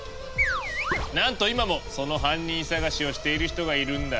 なんと今もその犯人捜しをしている人がいるんだ。